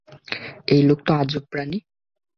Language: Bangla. এই লোক তো আজব প্রাণী।